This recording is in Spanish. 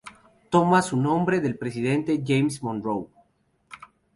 Toma su nombre del presidente James Monroe.